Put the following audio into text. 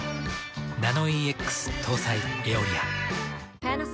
ナノイーＸ搭載「エオリア」。